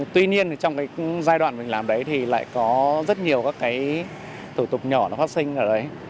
tuy nhiên trong cái giai đoạn mình làm đấy thì lại có rất nhiều các cái thủ tục nhỏ nó phát sinh ở đấy